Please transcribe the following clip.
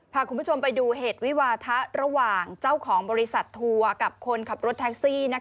ผ่านคุณผู้ชมไปดูเหตุวิวาทะระหว่างเจ้าของบริษัททัลภทาคซี